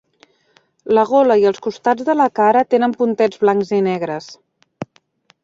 La gola i els costats de la cara tenen puntets blancs i negres.